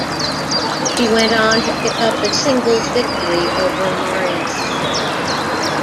She went on to pick up a singles victory over Maryse.